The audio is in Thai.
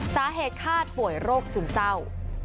สาเหตุฆาตป่วยโรคสูงเศร้า